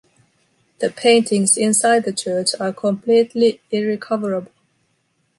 The paintings inside the church are completely irrecoverable.